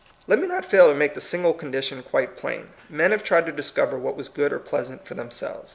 Let me not fail to make the single con dition quite plain. Men have tried to discover what was good or pleasant for themselves.